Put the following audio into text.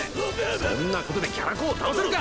そんな事でキャラ公を倒せるか！